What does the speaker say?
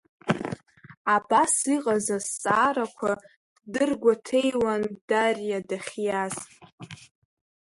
Абас иҟаз азҵаарақәа ддыргәаҭеиуан Дариа дахьиаз.